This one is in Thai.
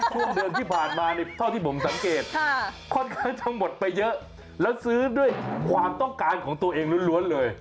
ช่วงเดือนที่ผ่านมาเท่าที่ผมสังเกตค่อนข้างจะหมดไปเยอะแล้วซื้อด้วยความต้องการของตัวเองล้วนเลย